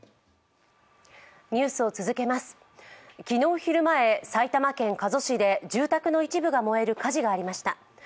昨日、昼前埼玉県加須市で住宅の一部が燃える火事がありました。